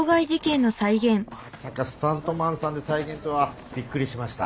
まさかスタントマンさんで再現とはびっくりしました。